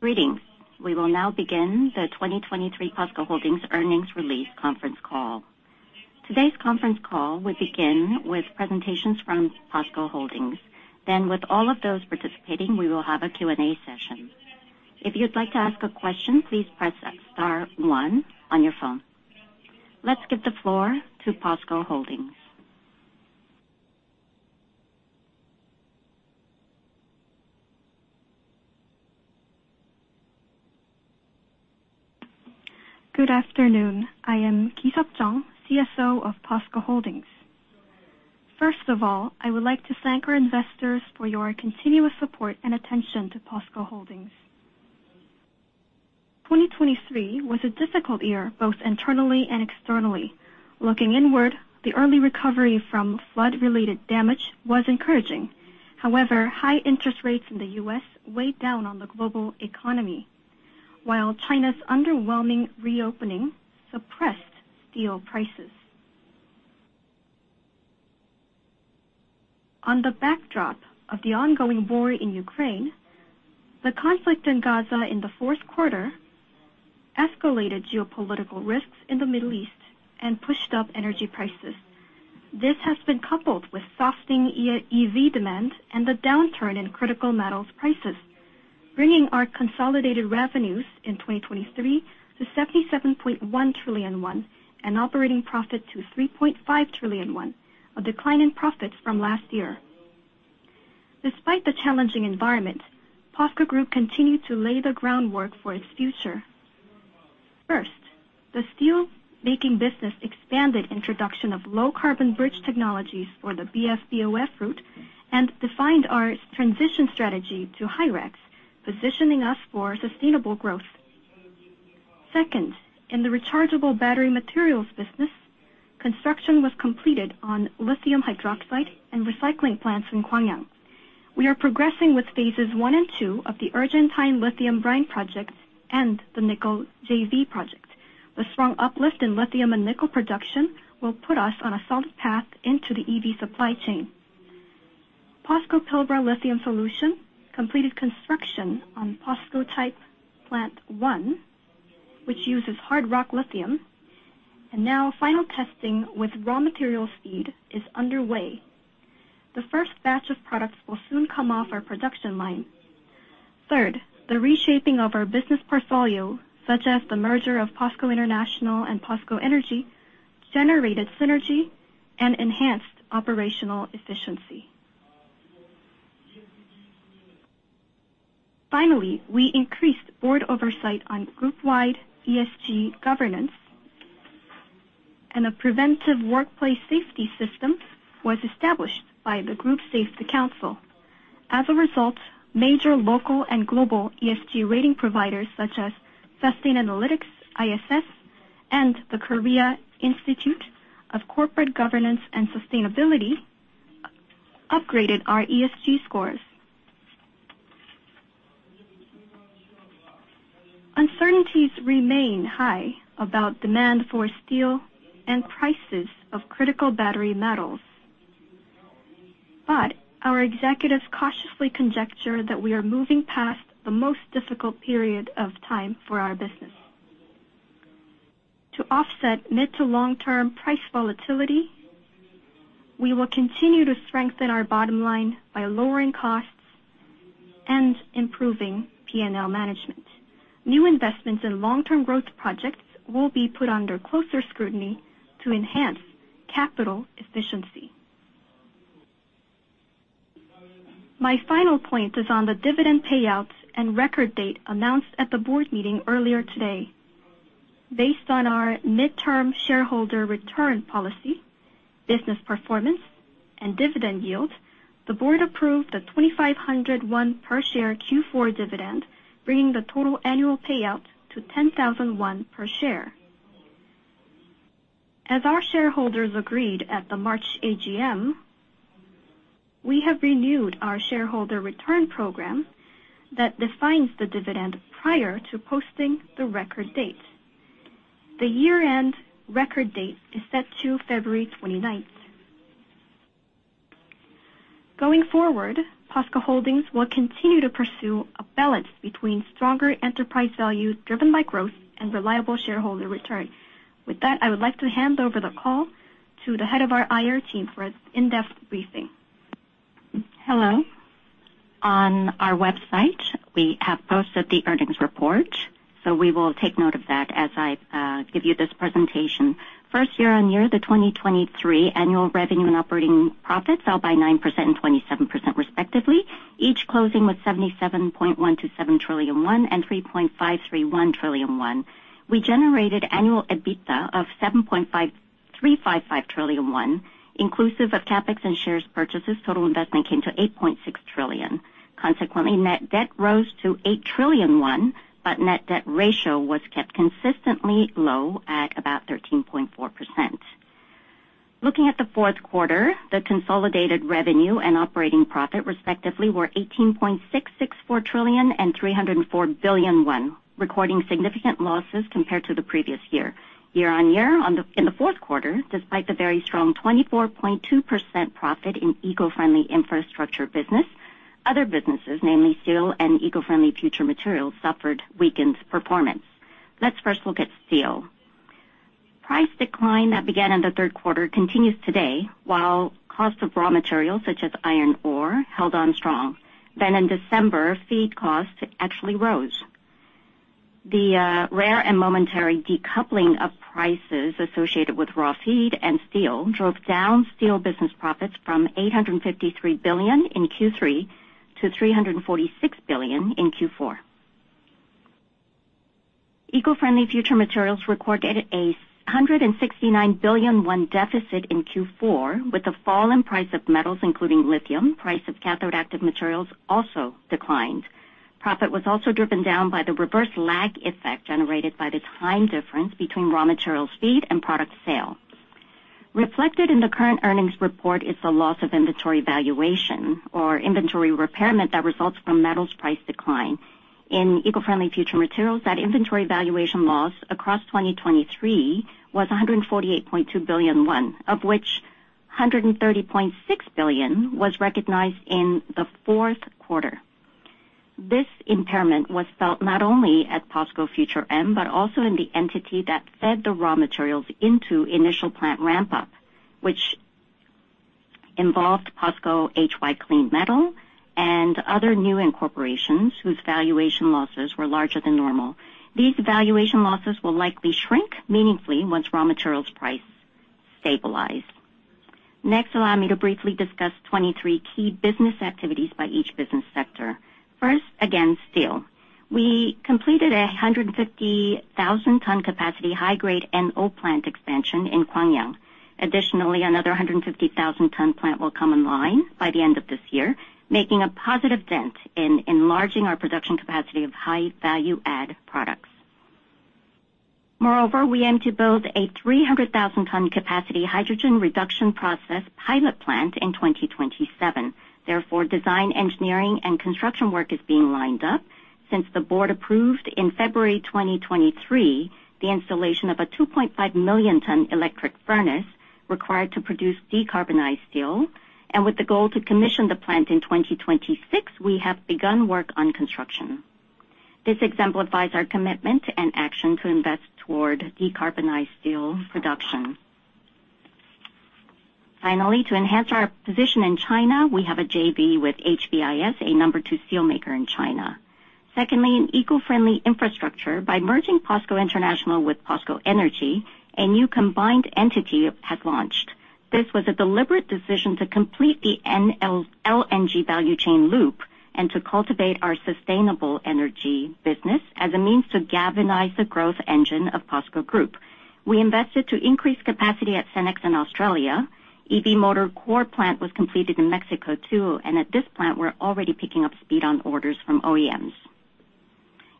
Greetings! We will now begin the 2023 POSCO Holdings earnings release conference call. Today's conference call will begin with presentations from POSCO Holdings. With all of those participating, we will have a Q&A session. If you'd like to ask a question, please press star one on your phone. Let's give the floor to POSCO Holdings. Good afternoon. I am Jeong Ki-seop, CSO of POSCO Holdings. First of all, I would like to thank our investors for your continuous support and attention to POSCO Holdings. 2023 was a difficult year, both internally and externally. Looking inward, the early recovery from flood-related damage was encouraging. However, high interest rates in the U.S. weighed down on the global economy, while China's underwhelming reopening suppressed steel prices. On the backdrop of the ongoing war in Ukraine, the conflict in Gaza in the fourth quarter escalated geopolitical risks in the Middle East and pushed up energy prices. This has been coupled with softening EV demand and the downturn in critical metals prices, bringing our consolidated revenues in 2023 to 77.1 trillion won, and operating profit to 3.5 trillion won, a decline in profits from last year. Despite the challenging environment, POSCO Group continued to lay the groundwork for its future. First, the steelmaking business expanded introduction of low-carbon bridge technologies for the BF-BOF route and defined our transition strategy to HyREX, positioning us for sustainable growth. Second, in the rechargeable battery materials business, construction was completed on lithium hydroxide and recycling plants in Gwangyang. We are progressing with phases 1 and 2 of the Argentine lithium brine project and the nickel JV project. The strong uplift in lithium and nickel production will put us on a solid path into the EV supply chain. POSCO Pilbara Lithium Solution completed construction on POSCO Type Plant One, which uses hard rock lithium, and now final testing with raw material feed is underway. The first batch of products will soon come off our production line. Third, the reshaping of our business portfolio, such as the merger of POSCO International and POSCO Energy, generated synergy and enhanced operational efficiency. Finally, we increased board oversight on group-wide ESG governance, and a preventive workplace safety system was established by the Group Safety Council. As a result, major local and global ESG rating providers, such as Sustainalytics, ISS, and the Korea Institute of Corporate Governance and Sustainability, upgraded our ESG scores. Uncertainties remain high about demand for steel and prices of critical battery metals. But our executives cautiously conjecture that we are moving past the most difficult period of time for our business. To offset mid to long-term price volatility, we will continue to strengthen our bottom line by lowering costs and improving PNL management. New investments in long-term growth projects will be put under closer scrutiny to enhance capital efficiency. My final point is on the dividend payouts and record date announced at the board meeting earlier today. Based on our midterm shareholder return policy, business performance, and dividend yield, the board approved a 2,500 per share Q4 dividend, bringing the total annual payout to 10,000 per share. As our shareholders agreed at the March AGM, we have renewed our shareholder return program that defines the dividend prior to posting the record date. The year-end record date is set to February twenty-ninth. Going forward, POSCO Holdings will continue to pursue a balance between stronger enterprise value driven by growth and reliable shareholder returns. With that, I would like to hand over the call to the head of our IR team for its in-depth briefing. Hello. On our website, we have posted the earnings report, so we will take note of that as I give you this presentation. First, year-on-year, the 2023 annual revenue and operating profits fell by 9% and 27% respectively, each closing with 77.17 trillion won and 3.531 trillion won. We generated annual EBITDA of 7.5355 trillion won. Inclusive of CapEx and shares purchases, total investment came to 8.6 trillion. Consequently, net debt rose to 8 trillion won, but net debt ratio was kept consistently low at about 13.4%. Looking at the fourth quarter, the consolidated revenue and operating profit respectively were 18.664 trillion and 304 billion, recording significant losses compared to the previous year. Year on year, on the, in the fourth quarter, despite the very strong 24.2% profit in eco-friendly infrastructure business, other businesses, namely steel and eco-friendly future materials, suffered weakened performance. Let's first look at steel. Price decline that began in the third quarter continues today, while cost of raw materials, such as iron ore, held on strong. Then in December, feed costs actually rose. The rare and momentary decoupling of prices associated with raw feed and steel drove down steel business profits from 853 billion in Q3 to 346 billion in Q4. Eco-friendly future materials recorded a 169 billion KRW deficit in Q4, with the fall in price of metals, including lithium, price of cathode active materials also declined. Profit was also driven down by the Reverse Lag Effect generated by the time difference between raw materials feed and product sale. Reflected in the current earnings report is the loss of inventory valuation or inventory revaluation that results from metals price decline. In eco-friendly future materials, that inventory valuation loss across 2023 was 148.2 billion won, of which 130.6 billion was recognized in the fourth quarter. This impairment was felt not only at POSCO Future M, but also in the entity that fed the raw materials into initial plant ramp-up, which involved POSCO HY Clean Metal and other new incorporations whose valuation losses were larger than normal. These valuation losses will likely shrink meaningfully once raw materials price stabilize. Next, allow me to briefly discuss 2023 key business activities by each business sector. First, again, steel. We completed a 150,000-ton capacity high-grade NO plant expansion in Gwangyang. Additionally, another 150,000-ton plant will come online by the end of this year, making a positive dent in enlarging our production capacity of high value add products. Moreover, we aim to build a 300,000-ton capacity hydrogen reduction process pilot plant in 2027. Therefore, design, engineering and construction work is being lined up. Since the board approved in February 2023, the installation of a 2.5 million-ton electric furnace required to produce decarbonized steel, and with the goal to commission the plant in 2026, we have begun work on construction. This exemplifies our commitment and action to invest toward decarbonized steel production. Finally, to enhance our position in China, we have a JV with HBIS, a number two steelmaker in China. Secondly, in eco-friendly infrastructure, by merging POSCO International with POSCO Energy, a new combined entity has launched. This was a deliberate decision to complete the LNG value chain loop and to cultivate our sustainable energy business as a means to galvanize the growth engine of POSCO Group. We invested to increase capacity at Senex in Australia. EV motor core plant was completed in Mexico, too, and at this plant, we're already picking up speed on orders from OEMs.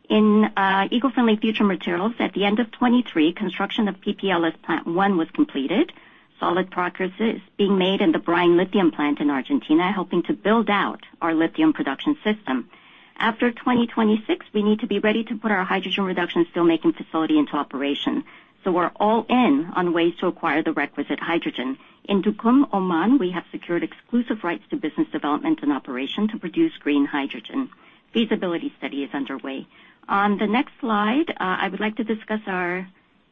In eco-friendly future materials, at the end of 2023, construction of PPLS Plant One was completed. Solid progress is being made in the brine lithium plant in Argentina, helping to build out our lithium production system. After 2026, we need to be ready to put our hydrogen reduction steelmaking facility into operation, so we're all in on ways to acquire the requisite hydrogen. In Duqm, Oman, we have secured exclusive rights to business development and operation to produce green hydrogen. Feasibility study is underway. On the next slide, I would like to discuss our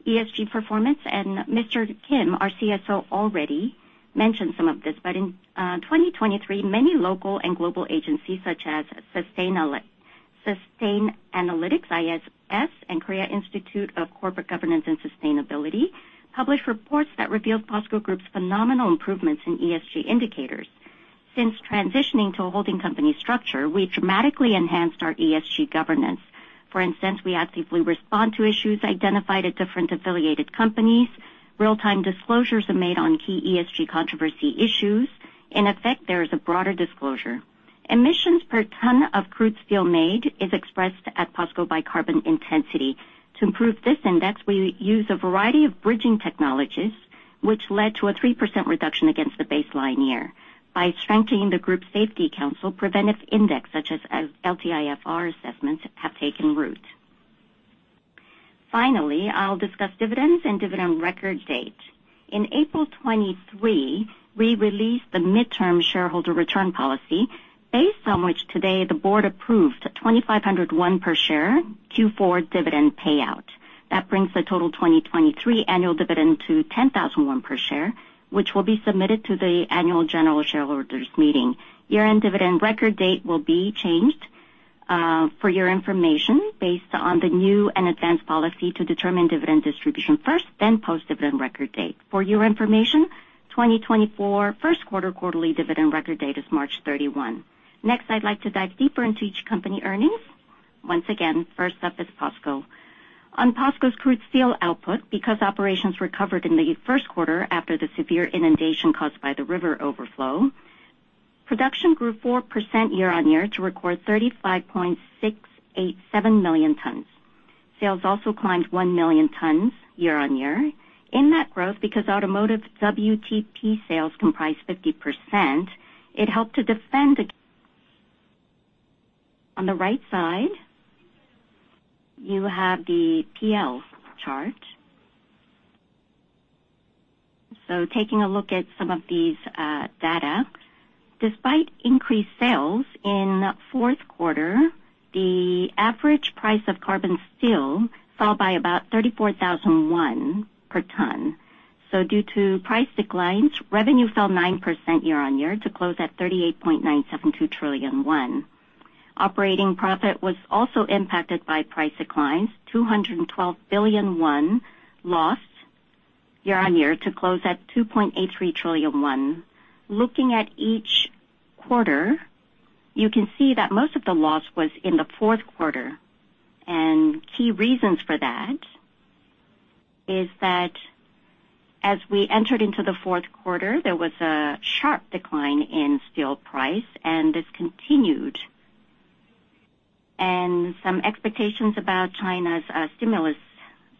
ESG performance, and Mr. Kim, our CSO, already mentioned some of this, but in 2023, many local and global agencies, such as Sustainalytics, ISS, and Korea Institute of Corporate Governance and Sustainability, published reports that revealed POSCO Group's phenomenal improvements in ESG indicators. Since transitioning to a holding company structure, we dramatically enhanced our ESG governance. For instance, we actively respond to issues identified at different affiliated companies. Real-time disclosures are made on key ESG controversy issues. In effect, there is a broader disclosure. Emissions per ton of crude steel made is expressed at POSCO by carbon intensity. To improve this index, we use a variety of bridging technologies, which led to a 3% reduction against the baseline year. By strengthening the group safety council, preventive index, such as LTIFR assessments, have taken root. Finally, I'll discuss dividends and dividend record date. In April 2023, we released the midterm shareholder return policy, based on which today the board approved 2,500 per share Q4 dividend payout. That brings the total 2023 annual dividend to 10,000 won per share, which will be submitted to the annual general shareholders meeting. Year-end dividend record date will be changed, for your information, based on the new and advanced policy to determine dividend distribution first, then post dividend record date. For your information, 2024 first quarter quarterly dividend record date is March 31. Next, I'd like to dive deeper into each company earnings. Once again, first up is POSCO. On POSCO's crude steel output, because operations recovered in the first quarter after the severe inundation caused by the river overflow, production grew 4% year-on-year to record 35.687 million tons. Sales also climbed 1 million tons year-on-year. In that growth, because automotive WTP sales comprised 50%, it helped to defend... On the right side, you have the PL chart.... So taking a look at some of these, data, despite increased sales in fourth quarter, the average price of carbon steel fell by about 34,000 KRW per ton. So due to price declines, revenue fell 9% year-on-year to close at KRW 38.972 trillion. Operating profit was also impacted by price declines, 212 billion won loss year-on-year to close at 2.83 trillion won. Looking at each quarter, you can see that most of the loss was in the fourth quarter, and key reasons for that is that as we entered into the fourth quarter, there was a sharp decline in steel price, and this continued. Some expectations about China's stimulus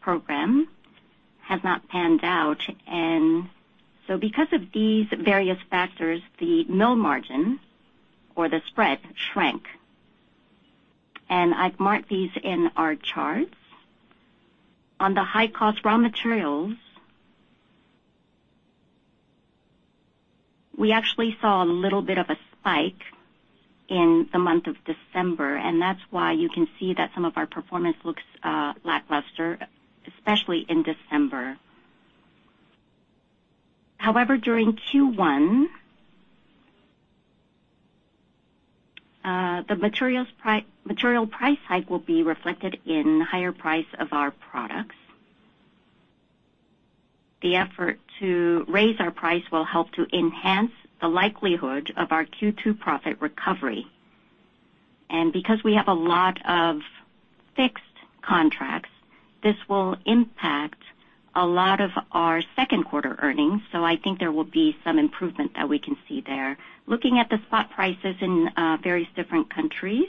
program have not panned out. So because of these various factors, the mill margin or the spread shrank. I've marked these in our charts. On the high-cost raw materials, we actually saw a little bit of a spike in the month of December, and that's why you can see that some of our performance looks lackluster, especially in December. However, during Q1, the material price hike will be reflected in higher price of our products. The effort to raise our price will help to enhance the likelihood of our Q2 profit recovery. Because we have a lot of fixed contracts, this will impact a lot of our second quarter earnings, so I think there will be some improvement that we can see there. Looking at the spot prices in various different countries,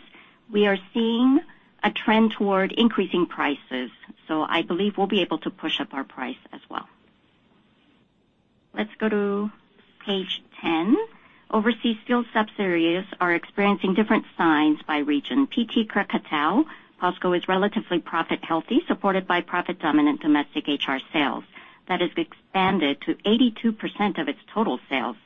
we are seeing a trend toward increasing prices, so I believe we'll be able to push up our price as well. Let's go to page 10. Overseas steel subsidiaries are experiencing different signs by region. PT Krakatau POSCO is relatively profit healthy, supported by profit dominant domestic HR sales. That has expanded to 82% of its total sales.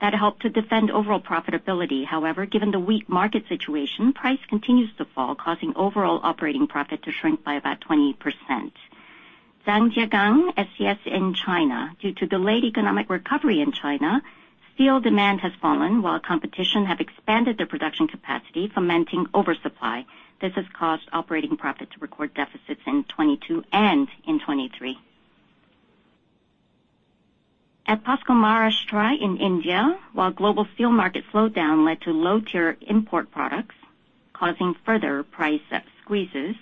That helped to defend overall profitability. However, given the weak market situation, price continues to fall, causing overall operating profit to shrink by about 20%. Zhangjiagang STS in China, due to delayed economic recovery in China, steel demand has fallen, while competitors have expanded their production capacity, fomenting oversupply. This has caused operating profit to record deficits in 2022 and in 2023. At POSCO Maharashtra in India, while global steel market slowdown led to low-tier import products, causing further price squeezes,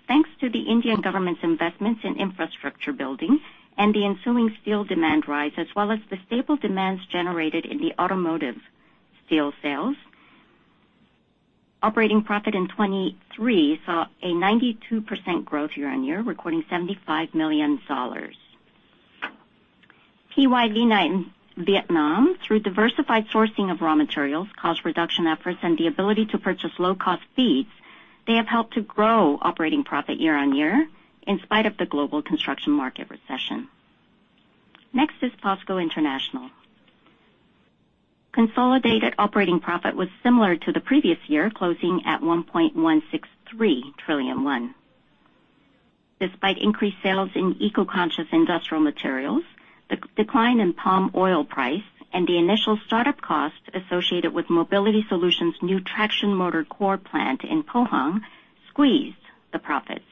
thanks to the Indian government's investments in infrastructure building and the ensuing steel demand rise, as well as the stable demands generated in the automotive steel sales, operating profit in 2023 saw a 92% growth year-on-year, recording $75 million. PY Vina in Vietnam, through diversified sourcing of raw materials, cost reduction efforts, and the ability to purchase low-cost feeds, they have helped to grow operating profit year-on-year in spite of the global construction market recession. Next is POSCO International. Consolidated operating profit was similar to the previous year, closing at 1.163 trillion won. Despite increased sales in eco-conscious industrial materials, the decline in palm oil price and the initial startup costs associated with mobility solutions' new traction motor core plant in Pohang squeezed the profits.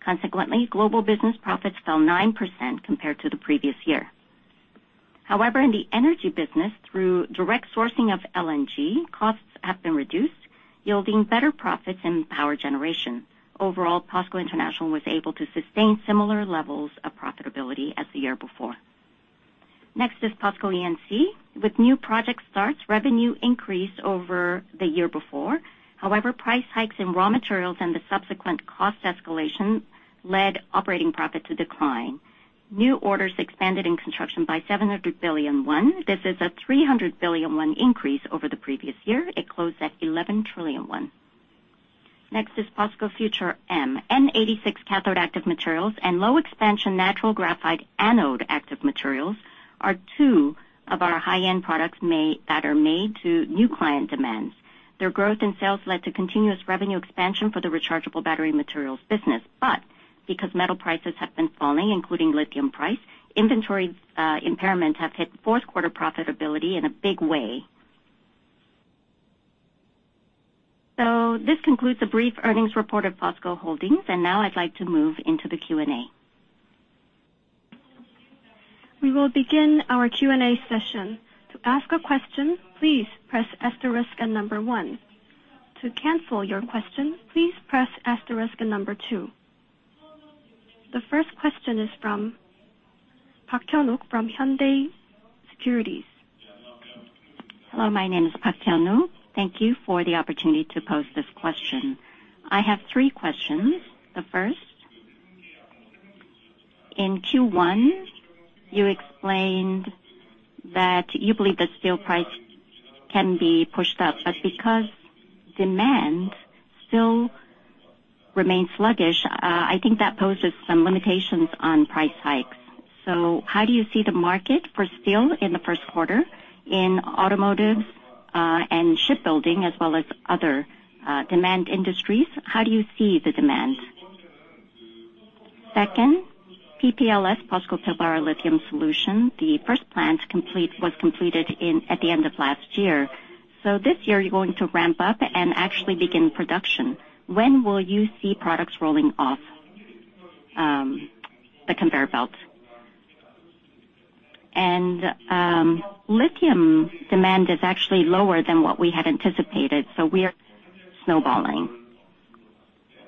Consequently, global business profits fell 9% compared to the previous year. However, in the energy business, through direct sourcing of LNG, costs have been reduced, yielding better profits in power generation. Overall, POSCO International was able to sustain similar levels of profitability as the year before. Next is POSCO E&C. With new project starts, revenue increased over the year before. However, price hikes in raw materials and the subsequent cost escalation led operating profit to decline. New orders expanded in construction by 700 billion won. This is a 300 billion won increase over the previous year. It closed at 11 trillion won. Next is POSCO Future M. N86 cathode active materials and low-expansion natural graphite anode active materials are two of our high-end products made, that are made to new client demands. Their growth in sales led to continuous revenue expansion for the rechargeable battery materials business. But because metal prices have been falling, including lithium price, inventory, impairment have hit fourth quarter profitability in a big way. So this concludes the brief earnings report of POSCO Holdings, and now I'd like to move into the Q&A. We will begin our Q&A session. To ask a question, please press asterisk and number one. To cancel your question, please press asterisk and number two. The first question is from Park Hyun-wook from Hyundai Securities. Hello, my name is Park Hyun-wook. Thank you for the opportunity to pose this question. I have three questions. The first, in Q1, you explained that you believe the steel price can be pushed up, but because demand still remains sluggish, I think that poses some limitations on price hikes. So how do you see the market for steel in the first quarter, in automotive, and shipbuilding, as well as other demand industries? How do you see the demand? Second, PPLS, POSCO Pilbara Lithium Solution, the first plant complete, was completed in, at the end of last year. So this year you're going to ramp up and actually begin production. When will you see products rolling off the conveyor belt? And, lithium demand is actually lower than what we had anticipated, so we are snowballing.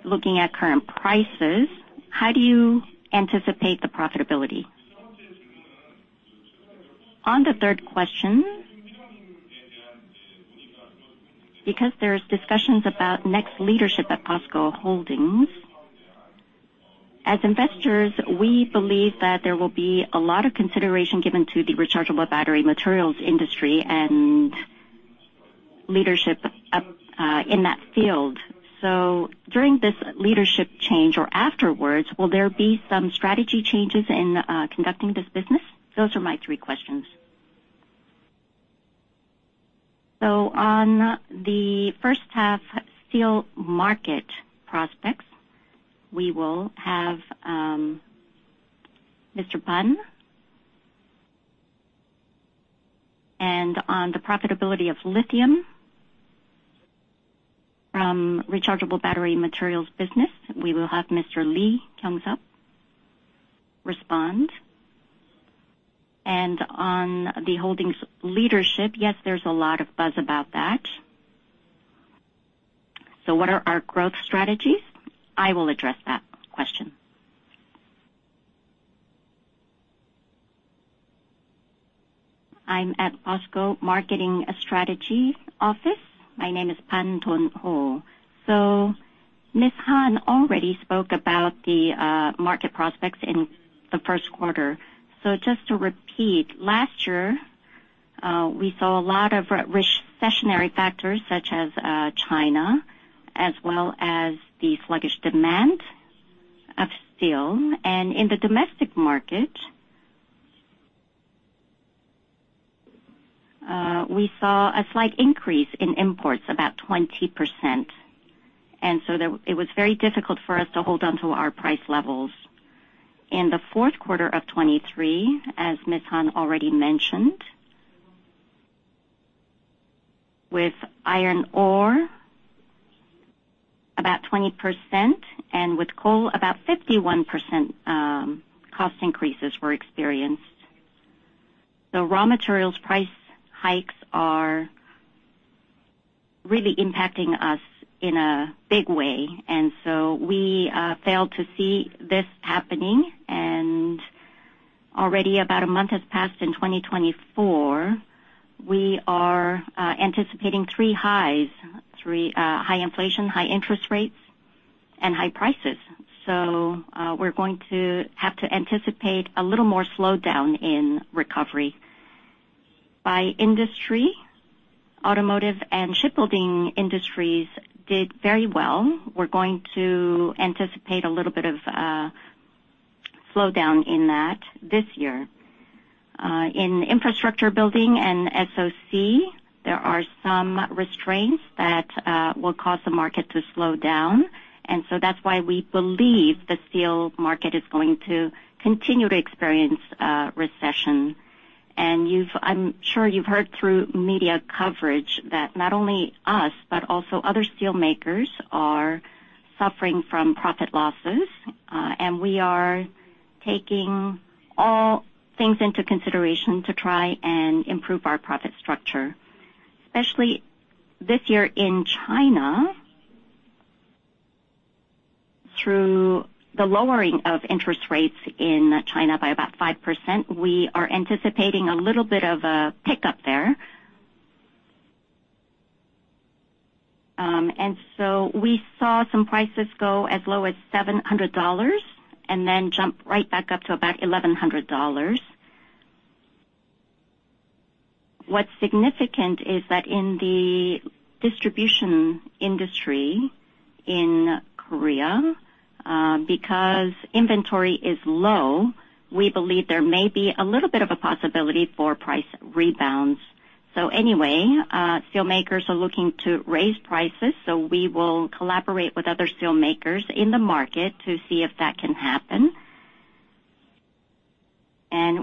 Looking at current prices, how do you anticipate the profitability? On the third question, because there's discussions about next leadership at POSCO Holdings, as investors, we believe that there will be a lot of consideration given to the rechargeable battery materials industry and leadership up in that field. So during this leadership change or afterwards, will there be some strategy changes in conducting this business? Those are my three questions. So on the first half, steel market prospects, we will have Mr. Pan. And on the profitability of lithium from rechargeable battery materials business, we will have Mr. Lee Kyoung-sup respond. And on the holdings leadership, yes, there's a lot of buzz about that. So what are our growth strategies? I will address that question. I'm at POSCO Marketing Strategy Office. My name is Pan Dong-ho. So Ms. Han already spoke about the market prospects in the first quarter. So just to repeat, last year, we saw a lot of recessionary factors, such as, China, as well as the sluggish demand of steel. And in the domestic market, we saw a slight increase in imports, about 20%. And so it was very difficult for us to hold on to our price levels. In the fourth quarter of 2023, as Ms. Han already mentioned, with iron ore, about 20%, and with coal, about 51%, cost increases were experienced. The raw materials price hikes are really impacting us in a big way, and so we failed to see this happening, and already about a month has passed in 2024. We are anticipating three highs, high inflation, high interest rates, and high prices. So we're going to have to anticipate a little more slowdown in recovery. By industry, automotive and shipbuilding industries did very well. We're going to anticipate a little bit of slowdown in that this year. In infrastructure building and SOC, there are some restraints that will cause the market to slow down, and so that's why we believe the steel market is going to continue to experience recession. And you've-- I'm sure you've heard through media coverage that not only us, but also other steelmakers are suffering from profit losses, and we are taking all things into consideration to try and improve our profit structure. Especially this year in China, through the lowering of interest rates in China by about 5%, we are anticipating a little bit of a pickup there. And so we saw some prices go as low as $700 and then jump right back up to about $1,100. What's significant is that in the distribution industry in Korea, because inventory is low, we believe there may be a little bit of a possibility for price rebounds. So anyway, steelmakers are looking to raise prices, so we will collaborate with other steelmakers in the market to see if that can happen.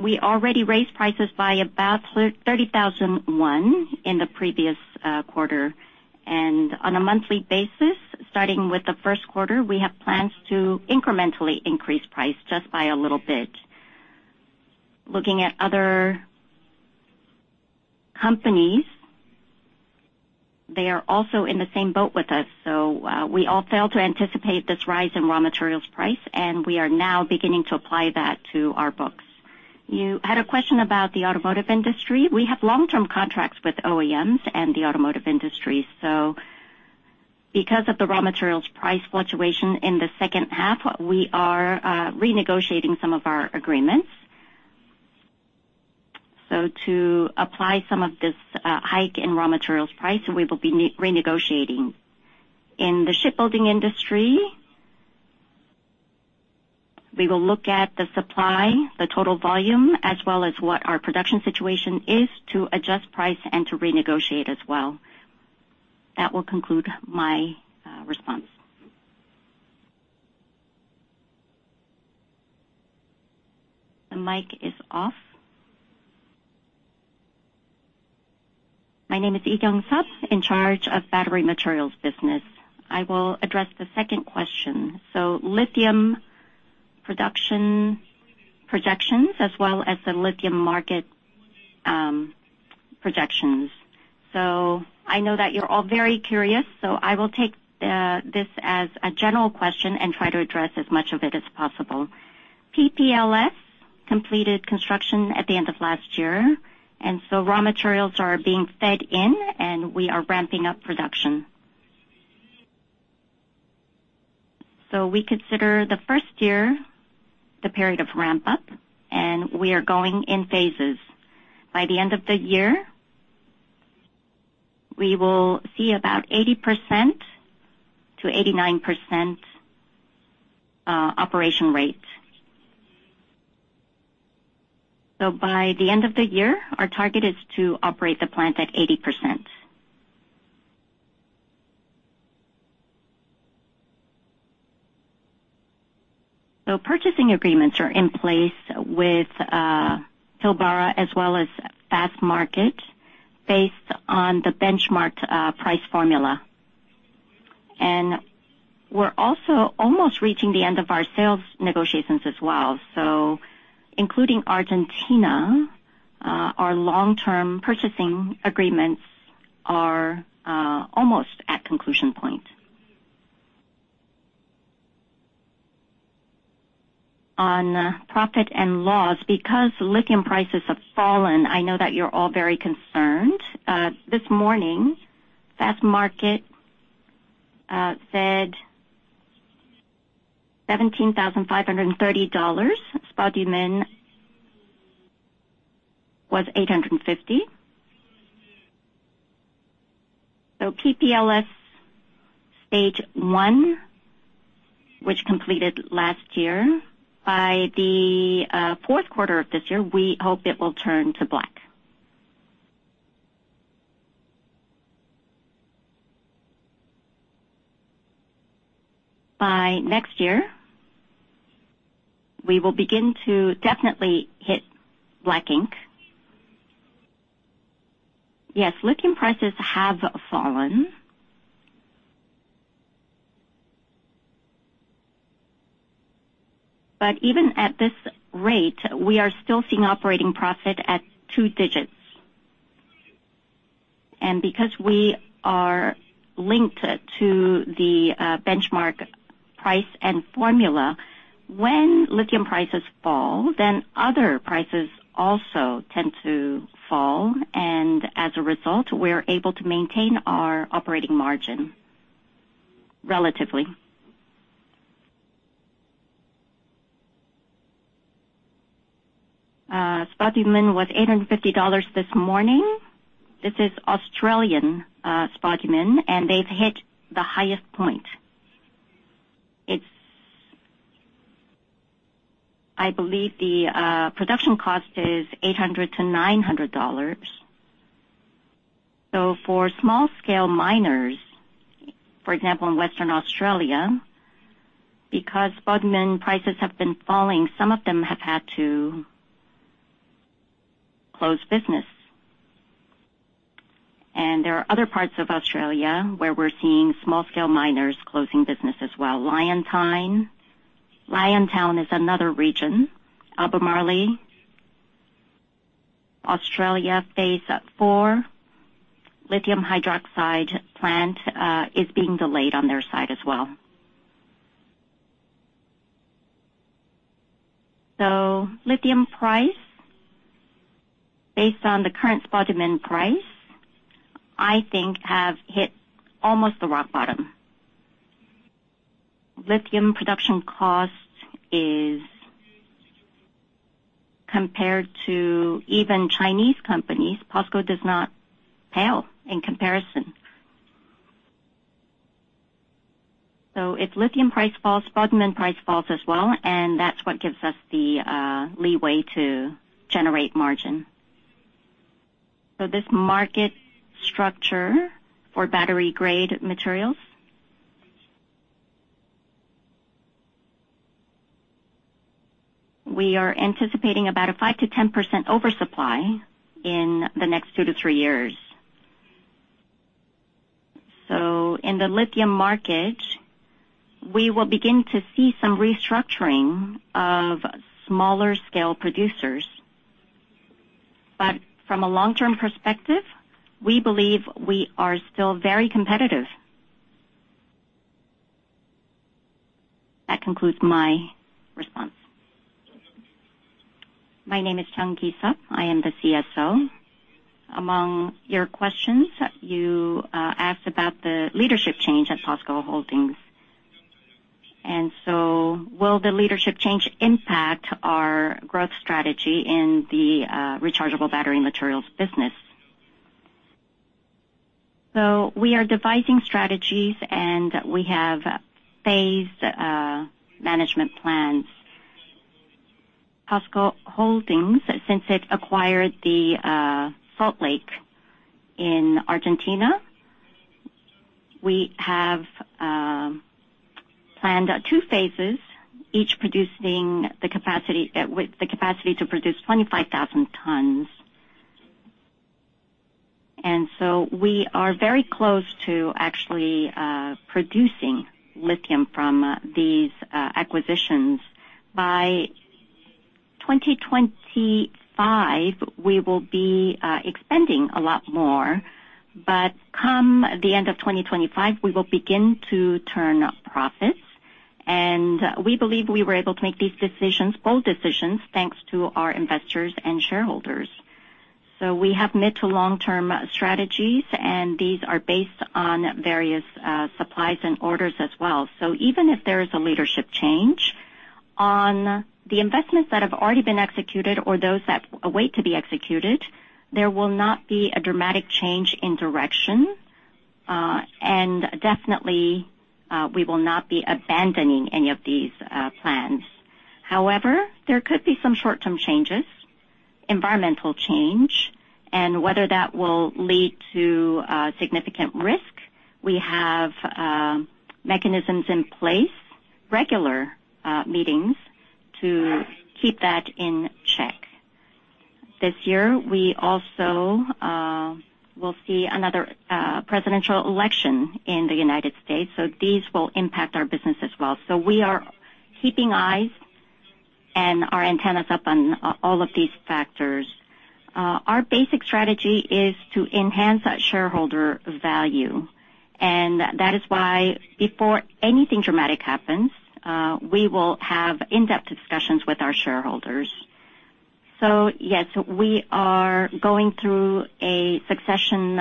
We already raised prices by about 30,000 won in the previous quarter. On a monthly basis, starting with the first quarter, we have plans to incrementally increase price just by a little bit. Looking at other companies, they are also in the same boat with us, so, we all failed to anticipate this rise in raw materials price, and we are now beginning to apply that to our books. You had a question about the automotive industry. We have long-term contracts with OEMs and the automotive industry, so because of the raw materials price fluctuation in the second half, we are renegotiating some of our agreements. So to apply some of this hike in raw materials price, and we will be renegotiating. In the shipbuilding industry, we will look at the supply, the total volume, as well as what our production situation is to adjust price and to renegotiate as well. That will conclude my response. The mic is off. My name is Lee Kyoung-sup, in charge of battery materials business. I will address the second question. So lithium production projections as well as the lithium market projections. So I know that you're all very curious, so I will take this as a general question and try to address as much of it as possible. PPLS completed construction at the end of last year, and so raw materials are being fed in, and we are ramping up production. So we consider the first year, the period of ramp up, and we are going in phases. By the end of the year, we will see about 80%-89% operation rate. So by the end of the year, our target is to operate the plant at 80%. So purchasing agreements are in place with Pilbara as well as Fastmarkets, based on the benchmarked price formula. And we're also almost reaching the end of our sales negotiations as well. So including Argentina, our long-term purchasing agreements are almost at conclusion point. On profit and loss, because lithium prices have fallen, I know that you're all very concerned. This morning, Fastmarkets said $17,530, spodumene was $850. So PPLS stage one, which completed last year, by the fourth quarter of this year, we hope it will turn to black. By next year, we will begin to definitely hit black ink. Yes, lithium prices have fallen, but even at this rate, we are still seeing operating profit at two digits. And because we are linked to the benchmark price and formula, when lithium prices fall, then other prices also tend to fall, and as a result, we're able to maintain our operating margin, relatively. Spodumene was $850 this morning. This is Australian spodumene, and they've hit the highest point. I believe the production cost is $800-$900. So for small-scale miners, for example, in Western Australia, because spodumene prices have been falling, some of them have had to close business. And there are other parts of Australia where we're seeing small-scale miners closing business as well. Liontown, Liontown is another region. Albemarle, Australia, phase four, lithium hydroxide plant, is being delayed on their side as well. So lithium price, based on the current spodumene price, I think, have hit almost the rock bottom. Lithium production cost is, compared to even Chinese companies, POSCO does not pale in comparison. So if lithium price falls, spodumene price falls as well, and that's what gives us the leeway to generate margin. So this market structure for battery-grade materials, we are anticipating about a 5%-10% oversupply in the next 2-3 years. So in the lithium market, we will begin to see some restructuring of smaller scale producers. But from a long-term perspective, we believe we are still very competitive. That concludes my response. My name is Jeong Ki-seop, I am the CSO. Among your questions, you asked about the leadership change at POSCO Holdings. And so will the leadership change impact our growth strategy in the rechargeable battery materials business? So we are devising strategies, and we have phased management plans. POSCO Holdings, since it acquired the salt lake in Argentina, we have planned two phases, each producing the capacity, with the capacity to produce 25,000 tons. And so we are very close to actually producing lithium from these acquisitions. By 2025, we will be expanding a lot more, but come the end of 2025, we will begin to turn profits. We believe we were able to make these decisions, bold decisions, thanks to our investors and shareholders. We have mid to long-term strategies, and these are based on various supplies and orders as well. Even if there is a leadership change, on the investments that have already been executed or those that await to be executed, there will not be a dramatic change in direction, and definitely we will not be abandoning any of these plans. However, there could be some short-term changes, environmental change, and whether that will lead to significant risk, we have mechanisms in place, regular meetings to keep that in check. This year, we also will see another presidential election in the United States, so these will impact our business as well. So we are keeping eyes and our antennas up on all of these factors. Our basic strategy is to enhance shareholder value, and that is why, before anything dramatic happens, we will have in-depth discussions with our shareholders. So yes, we are going through a succession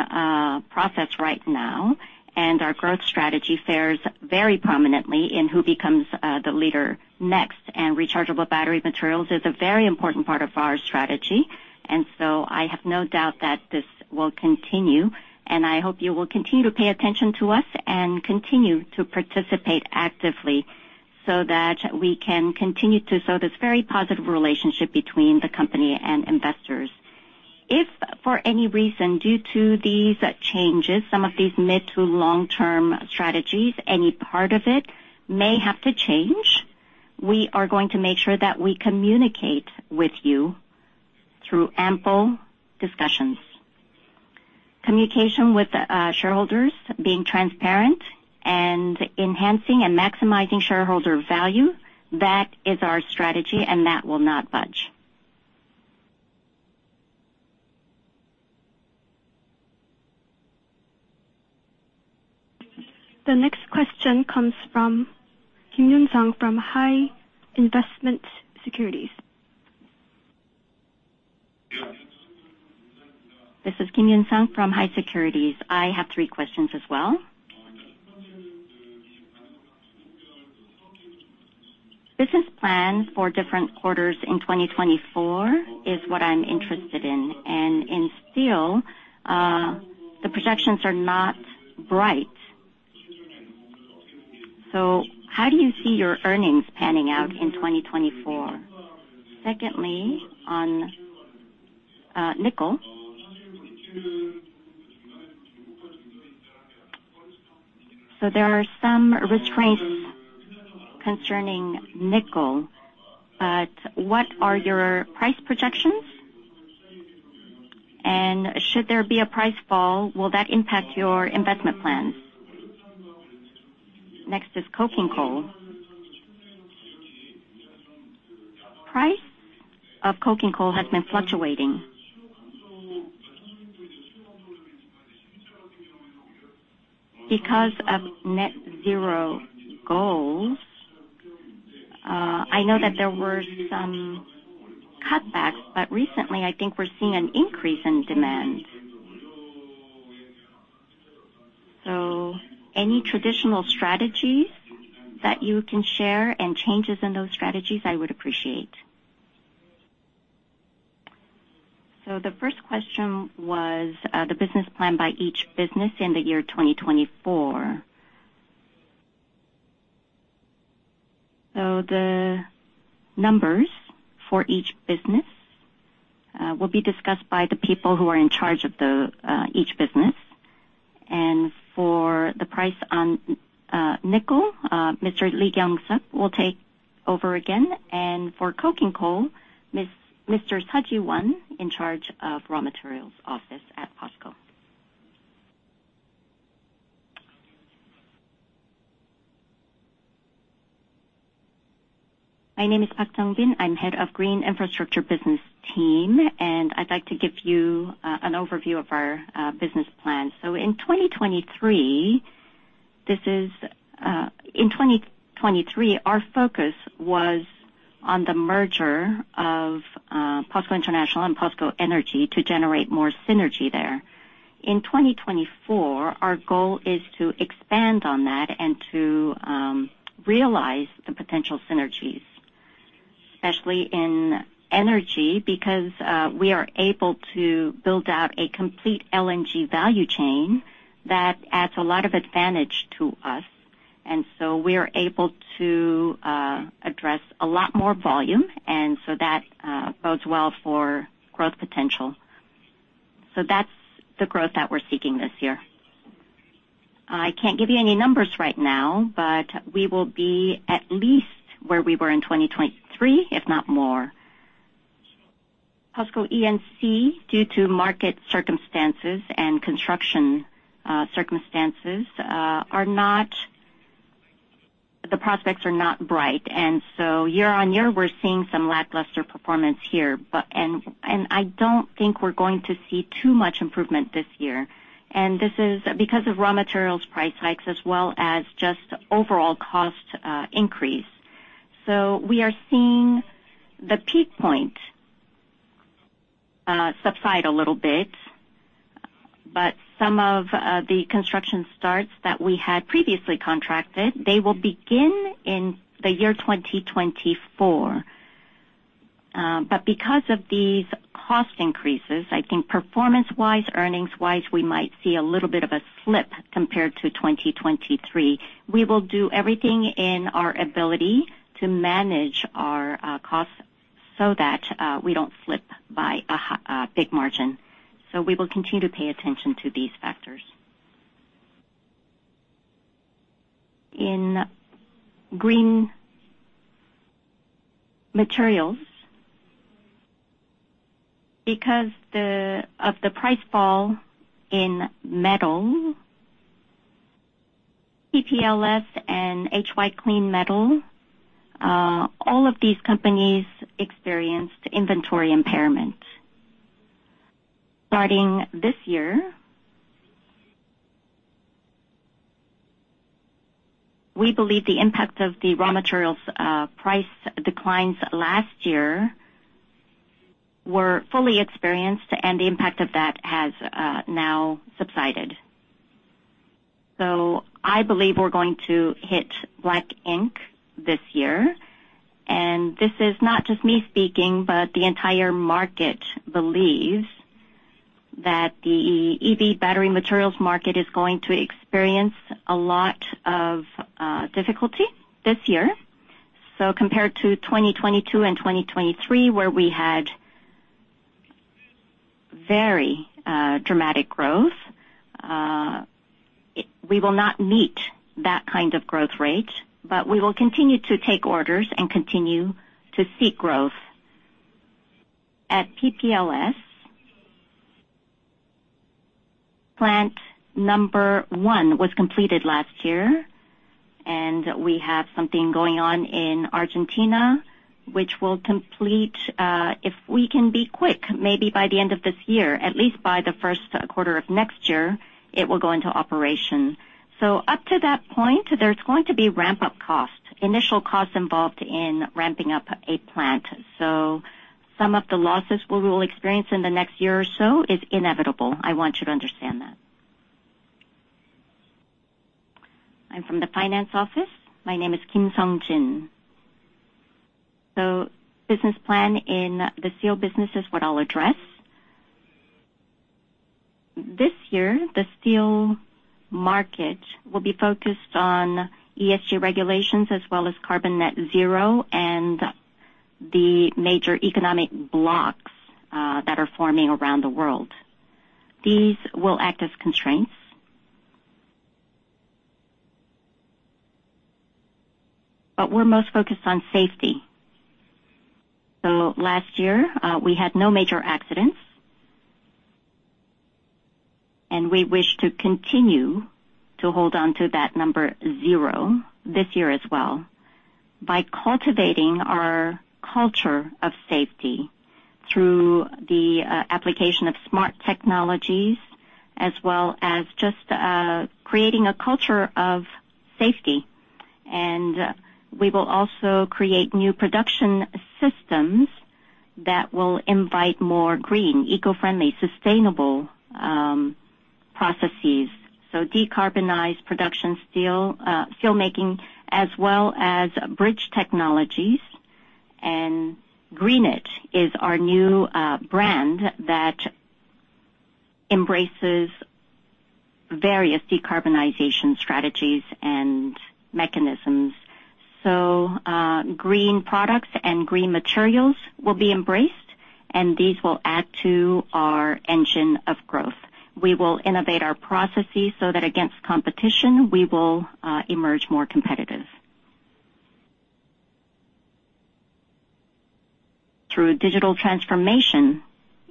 process right now, and our growth strategy fares very prominently in who becomes the leader next. And rechargeable battery materials is a very important part of our strategy, and so I have no doubt that this will continue, and I hope you will continue to pay attention to us and continue to participate actively so that we can continue to sow this very positive relationship between the company and investors. If, for any reason, due to these changes, some of these mid- to long-term strategies, any part of it may have to change, we are going to make sure that we communicate with you through ample discussions. Communication with shareholders, being transparent and enhancing and maximizing shareholder value, that is our strategy, and that will not budge. The next question comes from Kim Yoon-sang from HI Investment Securities. This is Kim Yoon-sang from HI Investment Securities. I have three questions as well. Business plan for different quarters in 2024 is what I'm interested in. In steel, the projections are not bright. So how do you see your earnings panning out in 2024? Secondly, on nickel. So there are some restraints concerning nickel, but what are your price projections? And should there be a price fall, will that impact your investment plans? Next is coking coal. Price of coking coal has been fluctuating. Because of net zero goals, I know that there were some cutbacks, but recently I think we're seeing an increase in demand. So any traditional strategies that you can share and changes in those strategies, I would appreciate. So the first question was the business plan by each business in the year 2024. So the numbers for each business will be discussed by the people who are in charge of the each business. And for the price on nickel, Mr. Lee Kyoung-sup will take over again. And for coking coal, Mr. Seo Ji-Won, in charge of Raw Materials Office at POSCO. My name is Park Jong-bin, I'm Head of Green Infrastructure Business Team, and I'd like to give you an overview of our business plan. So in 2023, our focus was on the merger of POSCO International and POSCO Energy to generate more synergy there. In 2024, our goal is to expand on that and to realize the potential synergies, especially in energy, because we are able to build out a complete LNG value chain that adds a lot of advantage to us, and so we are able to address a lot more volume, and so that bodes well for growth potential. So that's the growth that we're seeking this year. I can't give you any numbers right now, but we will be at least where we were in 2023, if not more. POSCO E&C, due to market circumstances and construction circumstances, the prospects are not bright, and so year-on-year, we're seeing some lackluster performance here. But I don't think we're going to see too much improvement this year. This is because of raw materials price hikes, as well as just overall cost increase. So we are seeing the peak point subside a little bit, but some of the construction starts that we had previously contracted, they will begin in the year 2024. But because of these cost increases, I think performance-wise, earnings-wise, we might see a little bit of a slip compared to 2023. We will do everything in our ability to manage our costs so that we don't slip by a big margin. So we will continue to pay attention to these factors. In green materials, because of the price fall in metal, PPLS and HY Clean Metal, all of these companies experienced inventory impairment. Starting this year, we believe the impact of the raw materials price declines last year were fully experienced, and the impact of that has now subsided. So I believe we're going to hit black ink this year, and this is not just me speaking, but the entire market believes that the EV battery materials market is going to experience a lot of difficulty this year. So compared to 2022 and 2023, where we had very dramatic growth, we will not meet that kind of growth rate, but we will continue to take orders and continue to seek growth. At PPLS, plant number 1 was completed last year, and we have something going on in Argentina, which will complete, if we can be quick, maybe by the end of this year, at least by the first quarter of next year, it will go into operation. So up to that point, there's going to be ramp-up costs, initial costs involved in ramping up a plant. So some of the losses we will experience in the next year or so is inevitable. I want you to understand that. I'm from the finance office. My name is Kim Sung-Jin. So business plan in the steel business is what I'll address. This year, the steel market will be focused on ESG regulations as well as carbon net zero and the major economic blocks, that are forming around the world. These will act as constraints. But we're most focused on safety. So last year, we had no major accidents, and we wish to continue to hold on to that number zero this year as well by cultivating our culture of safety through the application of smart technologies, as well as just creating a culture of safety. We will also create new production systems that will invite more green, eco-friendly, sustainable processes, so decarbonized production steel, steelmaking, as well as bridge technologies. Greenate is our new brand that embraces various decarbonization strategies and mechanisms. So green products and green materials will be embraced, and these will add to our engine of growth. We will innovate our processes so that against competition, we will emerge more competitive. Through digital transformation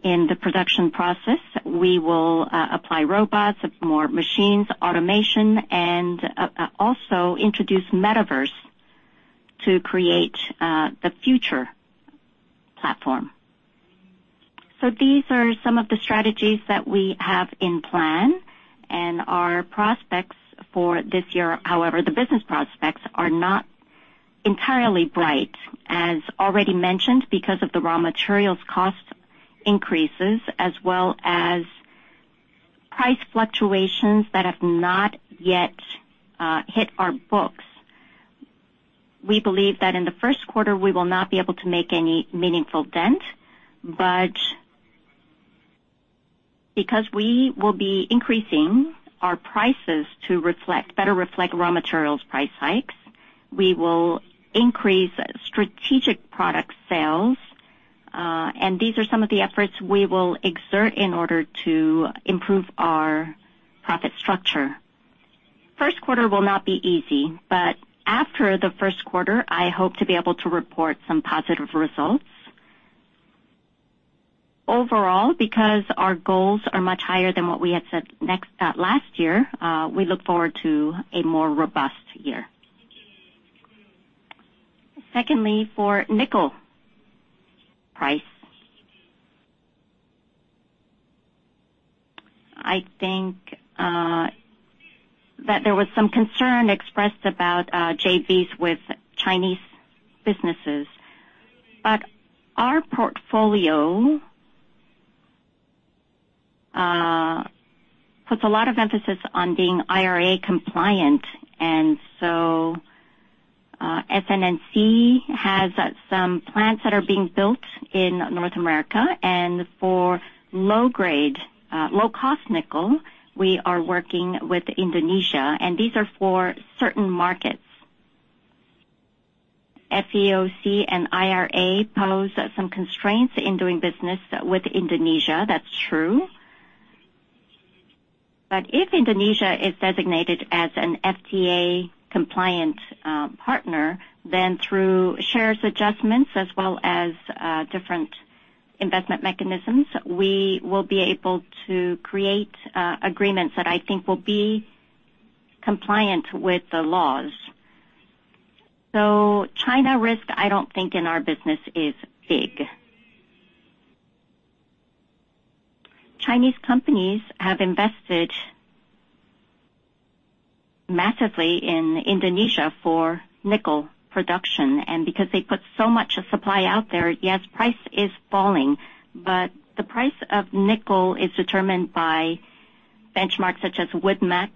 in the production process, we will apply robots, more machines, automation, and also introduce metaverse to create the future platform. So these are some of the strategies that we have in plan. Our prospects for this year, however, the business prospects are not entirely bright. As already mentioned, because of the raw materials cost increases as well as price fluctuations that have not yet hit our books. We believe that in the first quarter, we will not be able to make any meaningful dent, but because we will be increasing our prices to reflect, better reflect raw materials price hikes, we will increase strategic product sales, and these are some of the efforts we will exert in order to improve our profit structure. First quarter will not be easy, but after the first quarter, I hope to be able to report some positive results. Overall, because our goals are much higher than what we had set next, last year, we look forward to a more robust year. Secondly, for nickel price. I think that there was some concern expressed about JVs with Chinese businesses, but our portfolio puts a lot of emphasis on being IRA compliant, and so, SNNC has some plants that are being built in North America, and for low-grade, low-cost nickel, we are working with Indonesia, and these are for certain markets. FEOC and IRA pose some constraints in doing business with Indonesia. That's true. But if Indonesia is designated as an FTA compliant partner, then through shares adjustments as well as different investment mechanisms, we will be able to create agreements that I think will be compliant with the laws. So China risk, I don't think in our business is big. Chinese companies have invested massively in Indonesia for nickel production, and because they put so much supply out there, yes, price is falling, but the price of nickel is determined by benchmarks such as WoodMac,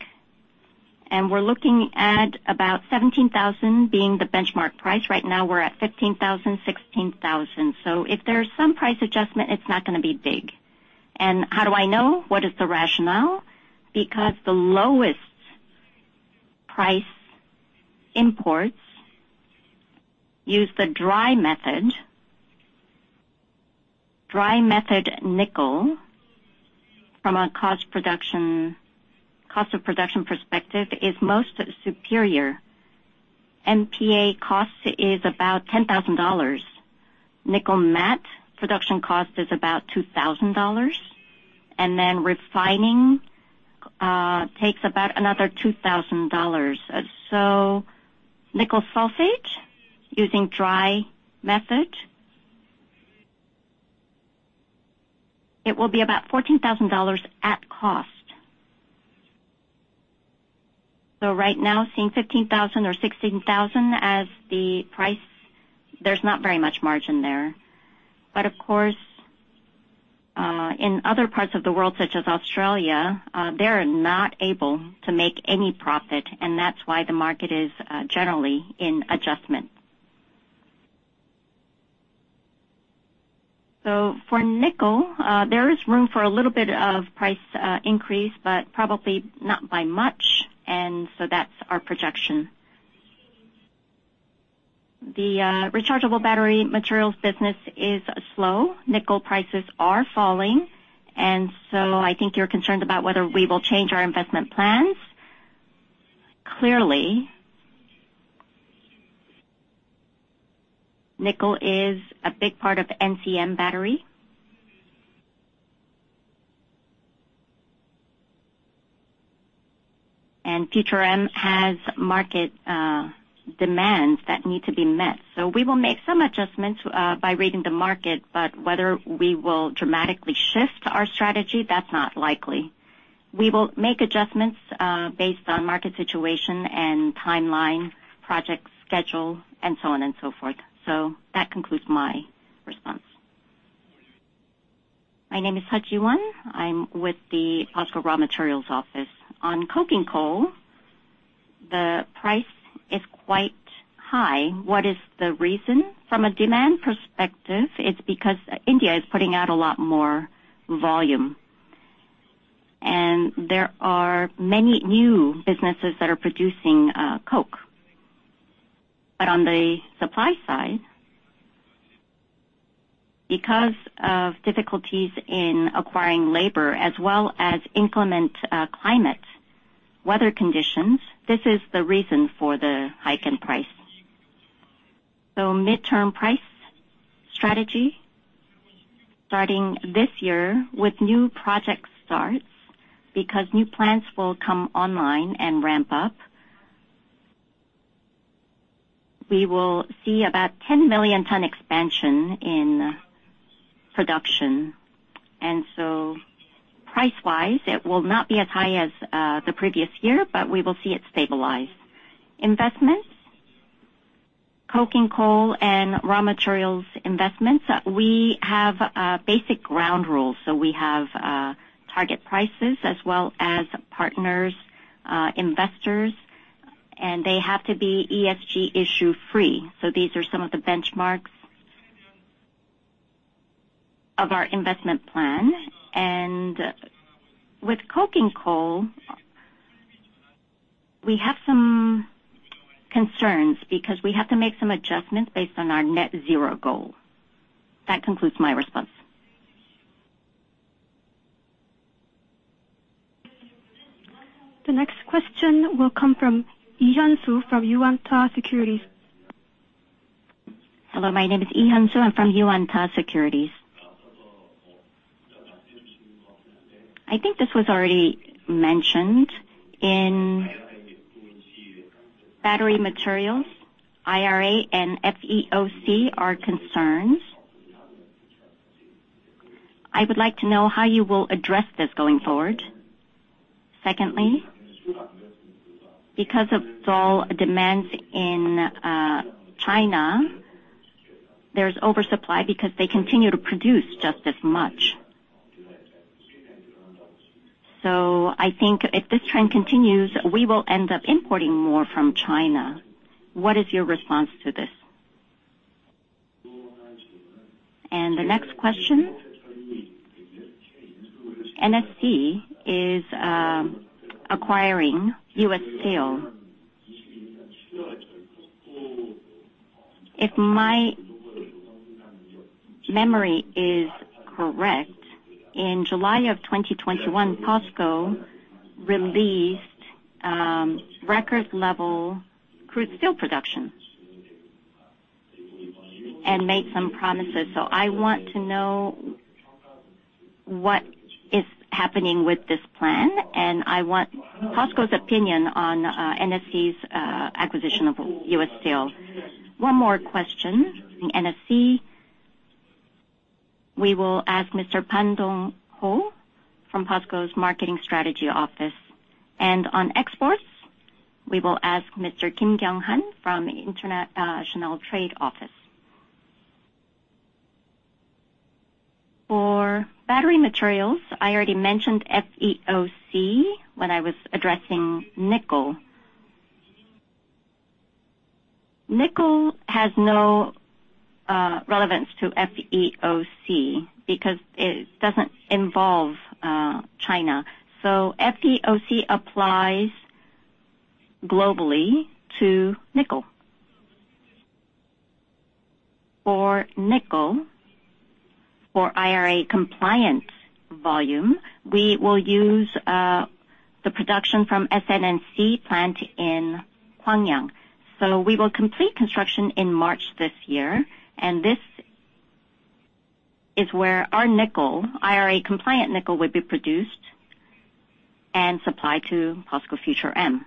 and we're looking at about $17,000 being the benchmark price. Right now, we're at $15,000, $16,000. So if there's some price adjustment, it's not gonna be big. And how do I know? What is the rationale? Because the lowest price imports use the dry method. Dry method nickel, from a cost production, cost of production perspective, is most superior. NPI cost is about $10,000. Nickel matte production cost is about $2,000, and then refining takes about another $2,000. So nickel sulfate, using dry method, it will be about $14,000 at cost. So right now, seeing 15,000 or 16,000 as the price, there's not very much margin there. But of course, in other parts of the world, such as Australia, they're not able to make any profit, and that's why the market is generally in adjustment. So for nickel, there is room for a little bit of price increase, but probably not by much, and so that's our projection. The rechargeable battery materials business is slow. Nickel prices are falling, and so I think you're concerned about whether we will change our investment plans. Clearly, nickel is a big part of NCM Battery. And Future M has market demands that need to be met. So we will make some adjustments by reading the market, but whether we will dramatically shift our strategy, that's not likely. We will make adjustments, based on market situation and timeline, project schedule, and so on and so forth. So that concludes my response. My name is Seo Ji-won. I'm with the POSCO Raw Materials office. On coking coal, the price is quite high. What is the reason? From a demand perspective, it's because India is putting out a lot more volume, and there are many new businesses that are producing, coke. But on the supply side, because of difficulties in acquiring labor as well as inclement, climate, weather conditions, this is the reason for the hike in price. So midterm price strategy, starting this year with new project starts, because new plants will come online and ramp up.... we will see about 10 million ton expansion in production. And so price-wise, it will not be as high as, the previous year, but we will see it stabilize. Investments, coking coal and raw materials investments, we have basic ground rules. So we have target prices as well as partners, investors, and they have to be ESG issue-free. So these are some of the benchmarks of our investment plan. And with coking coal, we have some concerns because we have to make some adjustments based on our net zero goal. That concludes my response. The next question will come from Lee Hyun-Su from Yuanta Securities. Hello, my name is Lee Hyun-Su. I'm from Yuanta Securities. I think this was already mentioned. In battery materials, IRA and FEOC are concerns. I would like to know how you will address this going forward. Secondly, because of dull demands in China, there's oversupply because they continue to produce just as much. So I think if this trend continues, we will end up importing more from China. What is your response to this? And the next question. NSC is acquiring U.S. Steel. If my memory is correct, in July of 2021, POSCO released record level crude steel production and made some promises. So I want to know what is happening with this plan, and I want POSCO's opinion on NSC's acquisition of U.S. Steel. One more question, NSC, we will ask Mr. Pan Dong-ho from POSCO's Marketing Strategy Office, and on exports, we will ask Mr. Kim Kyoung-han from the International Trade Affairs Office. For battery materials, I already mentioned FEOC when I was addressing nickel. Nickel has no relevance to FEOC because it doesn't involve China. So FEOC applies globally to nickel. For nickel, for IRA compliance volume, we will use the production from SNNC plant in Gwangyang. So we will complete construction in March this year, and this is where our nickel, IRA compliant nickel, will be produced and supplied to POSCO Future M.